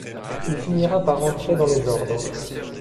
Il finira par entrer dans les ordres.